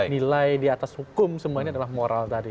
nilai di atas hukum semua ini adalah moral tadi